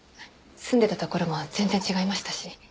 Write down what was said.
住んでたところも全然違いましたし。